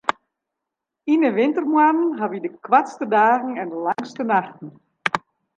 Yn 'e wintermoannen hawwe wy de koartste dagen en de langste nachten.